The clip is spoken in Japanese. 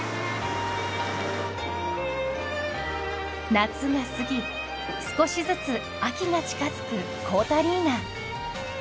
夏が過ぎ少しずつ秋が近づくこーたりな。